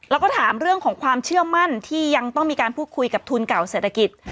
แล้วก็ถามเรื่องของความเชื่อมั่นที่ยังต้องมีการพูดคุยกับทุนเก่าเศรษฐกิจ